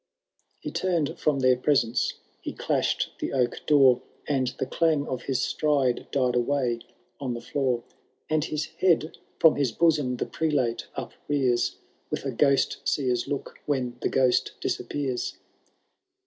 He turned from ^eir presence, he clashM the oak door, And the dang of his stride died away on the floor ; 162 HAROLD THS DAUNTLV68. Ckmto IV, And his head from hia bosom the Pielate uprears With a ghost seer^ look when the ghost disappears.